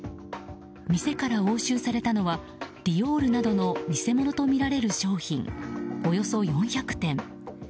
店から押収されたのはディオールなどの偽物とみられる商品およそ４００点。